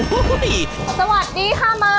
สวัสดีค่ะมา